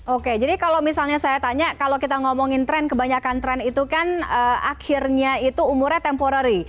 oke jadi kalau misalnya saya tanya kalau kita ngomongin tren kebanyakan tren itu kan akhirnya itu umurnya temporary